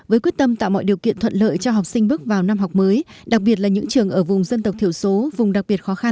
với quyết tâm tạo mọi điều kiện thuận lợi cho học sinh bước vào năm học mới đặc biệt là những trường ở vùng dân tộc thiểu số vùng đặc biệt khó khăn